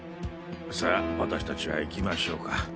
さあ私たちは行きましょうか。